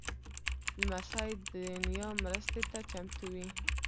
لمسی د نیا مرستې ته چمتو وي.